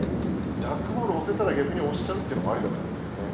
ジャックボール押せたら逆に押しちゃうっていうのもありだと思うんですけどね。